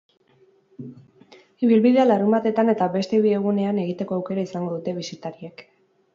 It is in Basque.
Ibilbidea larunbatetan eta beste bi egunean egiteko aukera izango dute bisitariek.